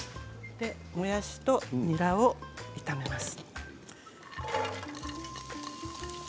もやしとにらを炒めます。